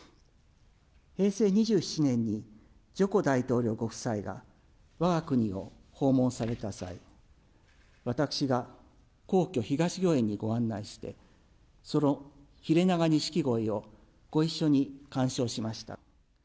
平成２７年にジョコ大統領ご夫妻がわが国を訪問された際、私が皇居・東御苑にご案内して、そのヒレナガニシキゴイをご一緒に観賞しました。